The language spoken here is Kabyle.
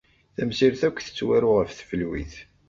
Tamsirt akk tettwaru ɣef tfelwit.